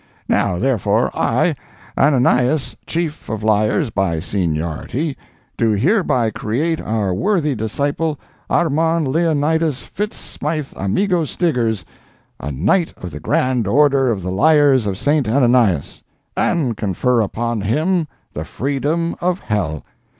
Now, therefore, I, Ananias Chief of Liars by Seniority, do hereby create our worthy disciple Armand Leonidas Fitz Smythe Amigo Stiggers, a Knight of the Grand Order of the Liars of St. Ananias, and confer upon him the freedom of hell.